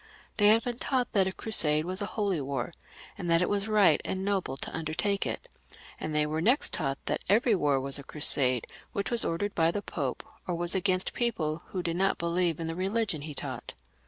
They had been taught that a crusade was a holy war, and that it was right and noble to undertake it, and they were next taught that every war was a crusade which was ordered by the Pope, or was against people who did not beUeve in the rehgion he taught.